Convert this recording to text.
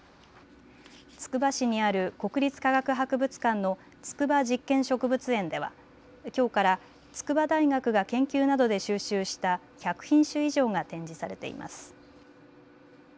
つくば市にある国立科学博物館の筑波実験植物園ではきょうから筑波大学が研究などで収集した１００品種以上が展示されています。